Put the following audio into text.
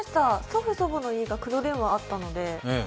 祖父、祖母の家が黒電話があったので。